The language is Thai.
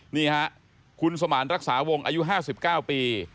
นี่ฮะคุณสมานรักษาวงอายุ๕๙ปี